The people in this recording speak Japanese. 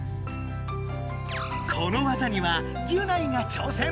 この技にはギュナイが挑戦。